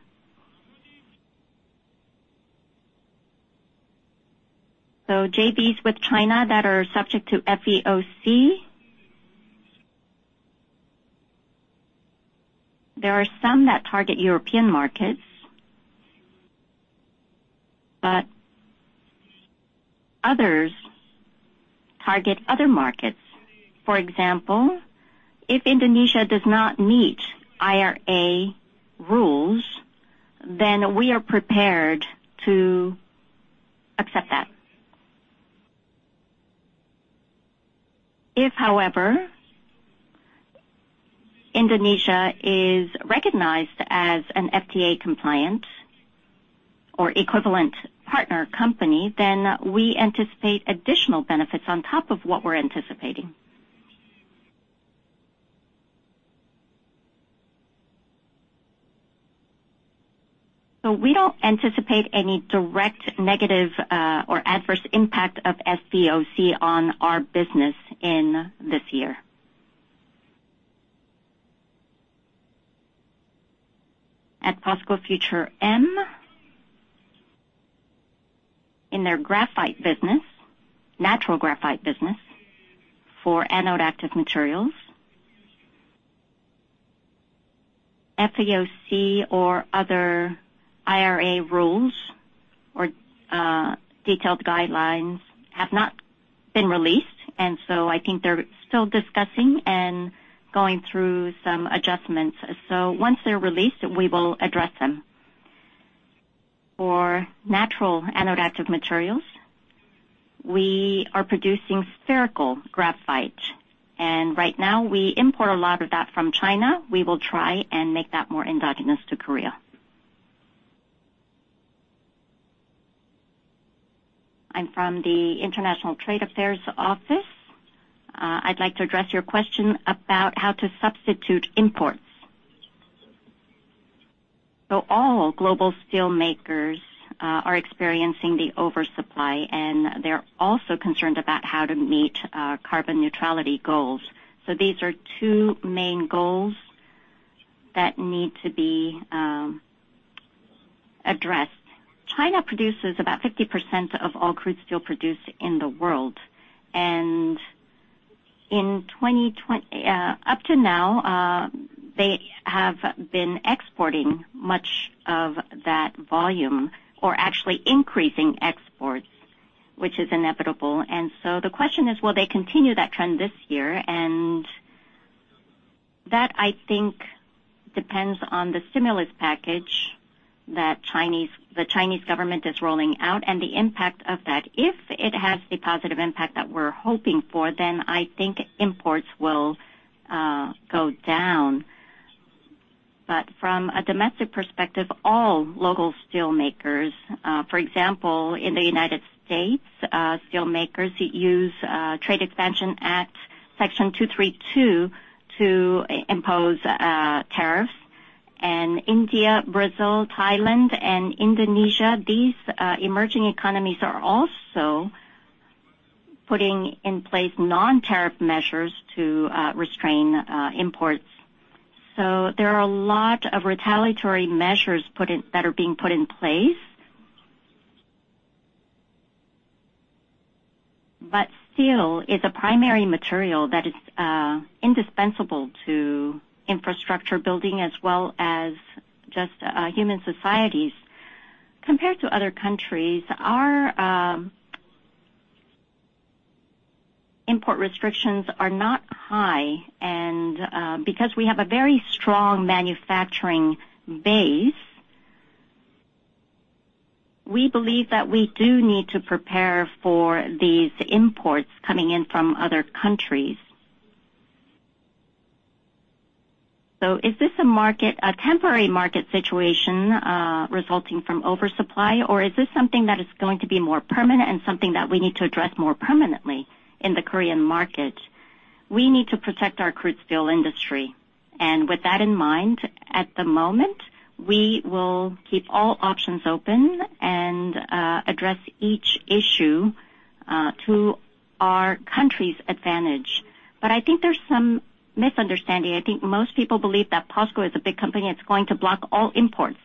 So JVs with China that are subject to FEOC, there are some that target European markets, but others target other markets. For example, if Indonesia does not meet IRA rules, then we are prepared to accept that. If, however, Indonesia is recognized as an FTA compliant or equivalent partner company, then we anticipate additional benefits on top of what we're anticipating. So we don't anticipate any direct, negative, or adverse impact of FEOC on our business in this year. At POSCO Future M, in their graphite business, natural graphite business for anode active materials, FEOC or other IRA rules or, detailed guidelines have not been released, and so I think they're still discussing and going through some adjustments. So once they're released, we will address them. For natural anode active materials, we are producing spherical graphite, and right now, we import a lot of that from China. We will try and make that more endogenous to Korea. I'm from the International Trade Affairs Office. I'd like to address your question about how to substitute imports. All global steelmakers are experiencing the oversupply, and they're also concerned about how to meet carbon neutrality goals. These are two main goals that need to be addressed. China produces about 50% of all crude steel produced in the world, and in 2020 up to now, they have been exporting much of that volume or actually increasing exports, which is inevitable. The question is, will they continue that trend this year? And that, I think, depends on the stimulus package that the Chinese government is rolling out and the impact of that. If it has the positive impact that we're hoping for, then I think imports will go down. But from a domestic perspective, all local steelmakers, for example, in the United States, steelmakers use Trade Expansion Act Section 232 to impose tariffs. And India, Brazil, Thailand, and Indonesia, these emerging economies are also putting in place non-tariff measures to restrain imports. So there are a lot of retaliatory measures that are being put in place. But steel is a primary material that is indispensable to infrastructure building as well as just human societies. Compared to other countries, our import restrictions are not high, and because we have a very strong manufacturing base, we believe that we do need to prepare for these imports coming in from other countries. So is this a market, a temporary market situation, resulting from oversupply, or is this something that is going to be more permanent and something that we need to address more permanently in the Korean market? We need to protect our crude steel industry, and with that in mind, at the moment, we will keep all options open and, address each issue, to our country's advantage. But I think there's some misunderstanding. I think most people believe that POSCO is a big company, it's going to block all imports.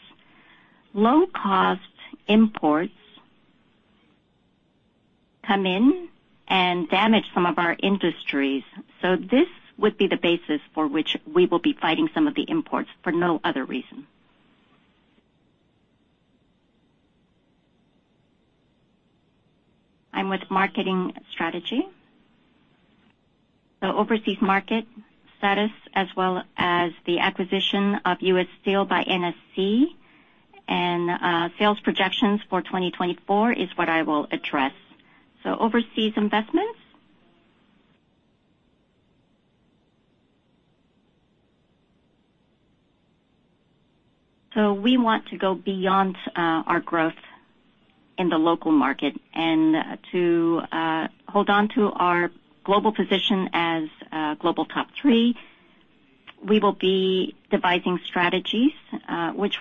Low-cost imports come in and damage some of our industries, so this would be the basis for which we will be fighting some of the imports for no other reason. I'm with marketing strategy. So overseas market status, as well as the acquisition of U.S. Steel by NSC and sales projections for 2024 is what I will address. So overseas investments. So we want to go beyond our growth in the local market and to hold on to our global position as a global top three. We will be devising strategies, which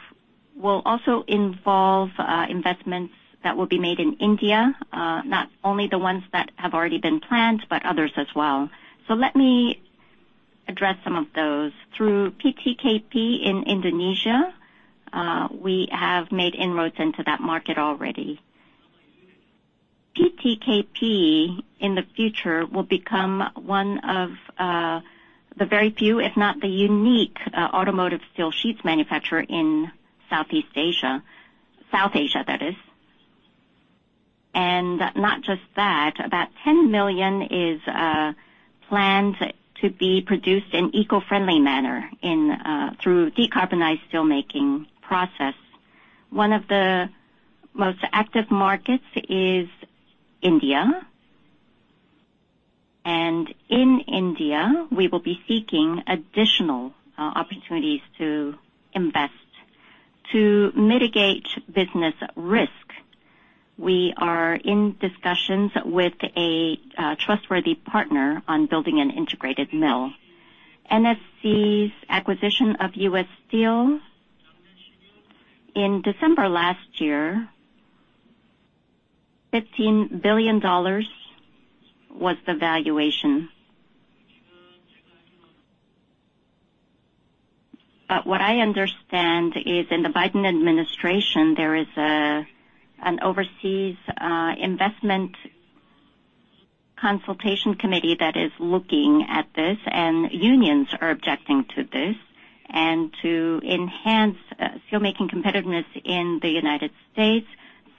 will also involve investments that will be made in India, not only the ones that have already been planned, but others as well. So let me address some of those. Through PTKP in Indonesia, we have made inroads into that market already. PTKP, in the future, will become one of the very few, if not the unique, automotive steel sheets manufacturer in Southeast Asia, South Asia, that is. And not just that, about 10 million is planned to be produced in eco-friendly manner in through decarbonized steelmaking process. One of the most active markets is India. And in India, we will be seeking additional opportunities to invest. To mitigate business risk, we are in discussions with a trustworthy partner on building an integrated mill. NSC's acquisition of U.S. Steel in December last year, $15 billion was the valuation. But what I understand is in the Biden administration, there is an overseas investment consultation committee that is looking at this, and unions are objecting to this. And to enhance steelmaking competitiveness in the United States,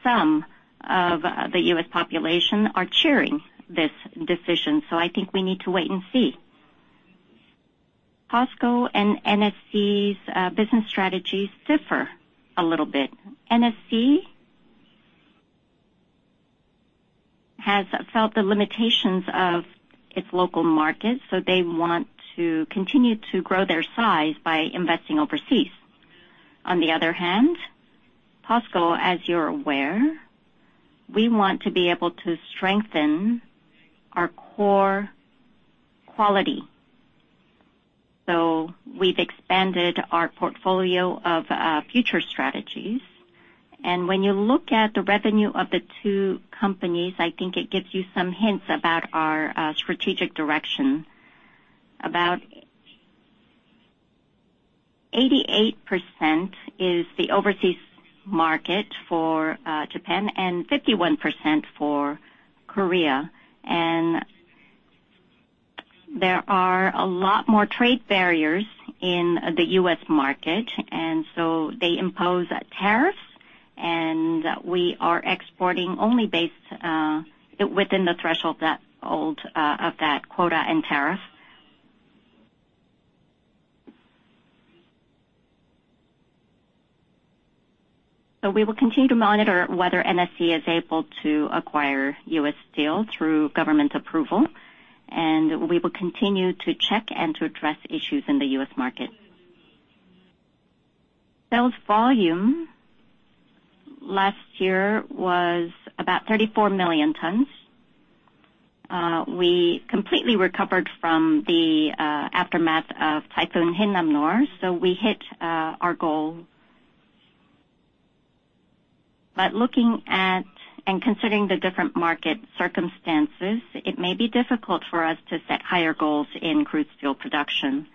some of the U.S. population are cheering this decision, so I think we need to wait and see. POSCO and NSC's business strategies differ a little bit. NSC has felt the limitations of its local market, so they want to continue to grow their size by investing overseas. On the other hand, POSCO, as you're aware, we want to be able to strengthen our core quality. So we've expanded our portfolio of future strategies. When you look at the revenue of the two companies, I think it gives you some hints about our strategic direction. About 88% is the overseas market for Japan and 51% for Korea. There are a lot more trade barriers in the U.S. market, and so they impose tariffs, and we are exporting only based within the threshold of that quota and tariff. So we will continue to monitor whether NSC is able to acquire U.S. Steel through government approval, and we will continue to check and to address issues in the US market. Sales volume last year was about 34 million tons. We completely recovered from the aftermath of Typhoon Hinnamnor, so we hit our goal. But looking at and considering the different market circumstances, it may be difficult for us to set higher goals in crude steel production.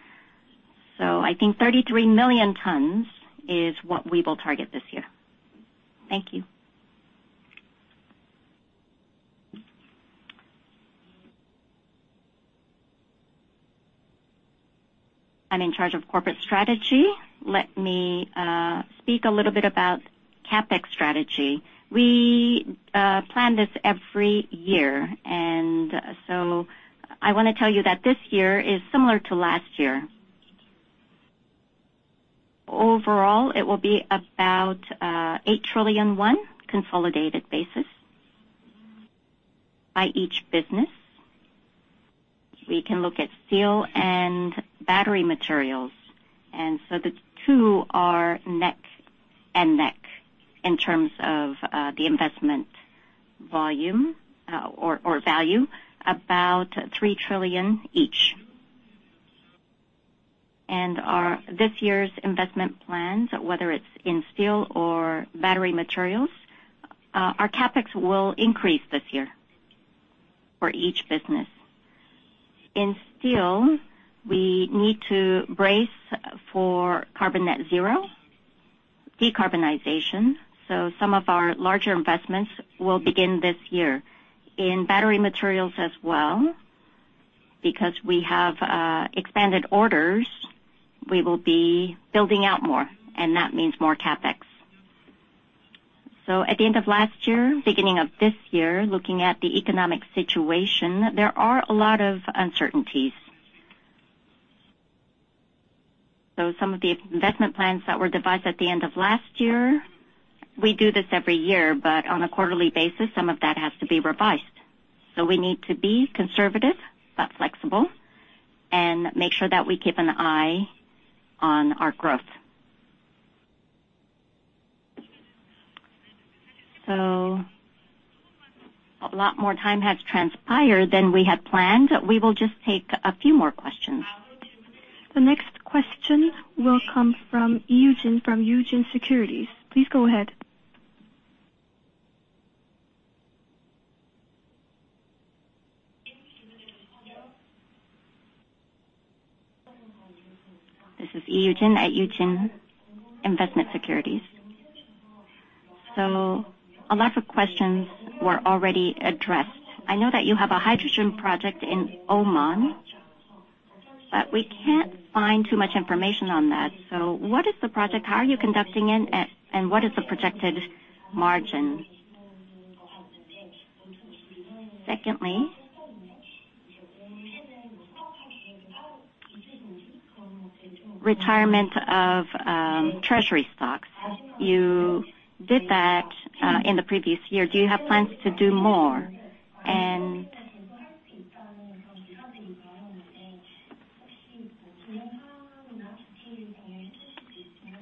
So I think 33 million tons is what we will target this year. Thank you. I'm in charge of corporate strategy. Let me speak a little bit about CapEx strategy. We plan this every year, and so I want to tell you that this year is similar to last year. Overall, it will be about 8 trillion, consolidated basis. By each business, we can look at steel and battery materials, and so the two are neck and neck in terms of the investment volume, or value, about 3 trillion each. This year's investment plans, whether it's in steel or battery materials, our CapEx will increase this year for each business. In steel, we need to brace for carbon net zero, decarbonization, so some of our larger investments will begin this year. In battery materials as well, because we have expanded orders, we will be building out more, and that means more CapEx. So at the end of last year, beginning of this year, looking at the economic situation, there are a lot of uncertainties. Some of the investment plans that were devised at the end of last year, we do this every year, but on a quarterly basis, some of that has to be revised. We need to be conservative, but flexible, and make sure that we keep an eye on our growth. A lot more time has transpired than we had planned. We will just take a few more questions. The next question will come from Lee Eugene, from Eugene Investment & Securities. Please go ahead. This is Lee Eugene at Eugene Investment & Securities. So a lot of questions were already addressed. I know that you have a hydrogen project in Oman, but we can't find too much information on that. So what is the project? How are you conducting it? And what is the projected margin? Secondly, retirement of treasury stocks. You did that in the previous year. Do you have plans to do more? And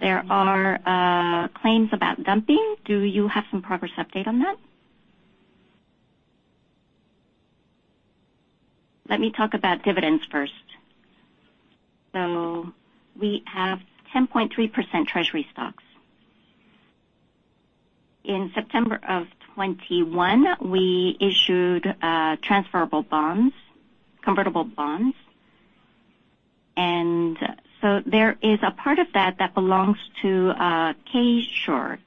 there are claims about dumping. Do you have some progress update on that? Let me talk about dividends first. So we have 10.3% treasury stocks. In September of 2021, we issued transferable bonds, convertible bonds. And so there is a part of that that belongs to K-SURE,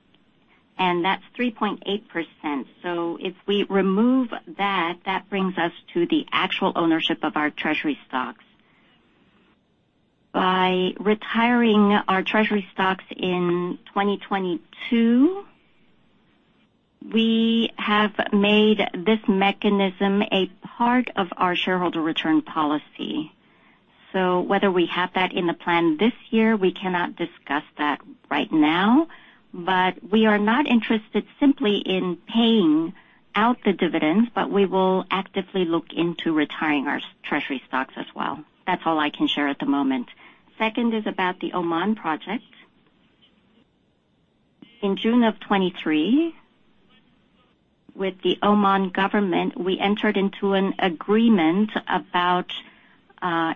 and that's 3.8%. So if we remove that, that brings us to the actual ownership of our treasury stocks. By retiring our treasury stocks in 2022, we have made this mechanism a part of our shareholder return policy. So whether we have that in the plan this year, we cannot discuss that right now, but we are not interested simply in paying out the dividends, but we will actively look into retiring our treasury stocks as well. That's all I can share at the moment. Second is about the Oman project. In June of 2023 with the Oman government, we entered into an agreement about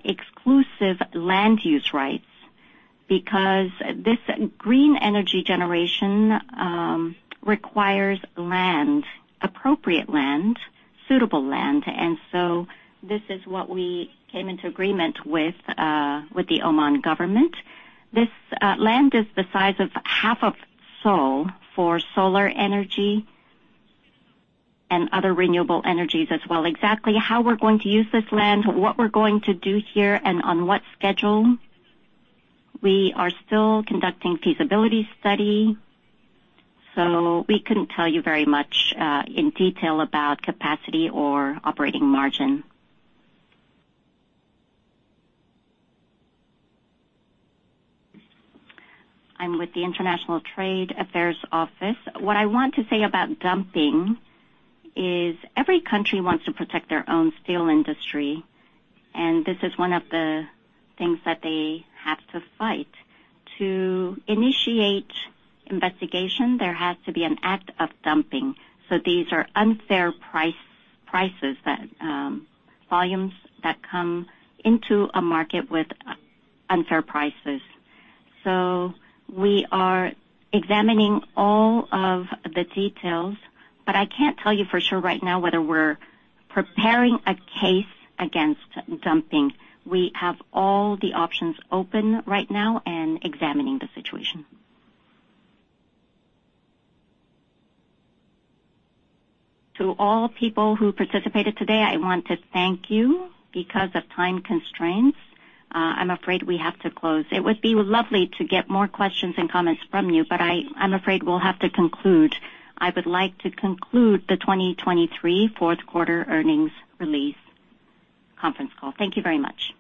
exclusive land use rights, because this green energy generation requires land, appropriate land, suitable land. So this is what we came into agreement with with the Oman government. This land is the size of half of Seoul for solar energy and other renewable energies as well. Exactly how we're going to use this land, what we're going to do here, and on what schedule, we are still conducting feasibility study, so we couldn't tell you very much in detail about capacity or operating margin. I'm with the International Trade Affairs Office. What I want to say about dumping is every country wants to protect their own steel industry, and this is one of the things that they have to fight. To initiate investigation, there has to be an act of dumping. So these are unfair prices, volumes that come into a market with unfair prices. So we are examining all of the details, but I can't tell you for sure right now whether we're preparing a case against dumping. We have all the options open right now and examining the situation. To all people who participated today, I want to thank you. Because of time constraints, I'm afraid we have to close. It would be lovely to get more questions and comments from you, but I'm afraid we'll have to conclude. I would like to conclude the 2023 fourth quarter earnings release conference call. Thank you very much.